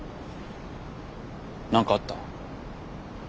何かあった？